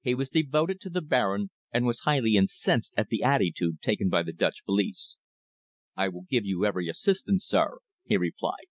He was devoted to the Baron, and was highly incensed at the attitude taken by the Dutch police. "I will give you every assistance, sir," he replied.